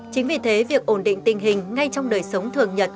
chính vì thế việc ổn định tình hình ngay trong đời sống thường nhật